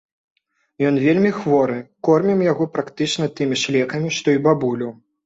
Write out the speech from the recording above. Ён вельмі хворы, кормім яго практычна тымі ж лекамі, што і бабулю.